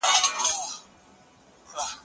د ماشوم خبرو ته غوږ ونیسئ.